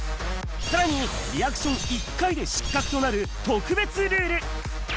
さらに、リアクション１回で失格となる特別ルール。